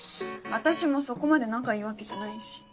私もそこまで仲いいわけじゃないし。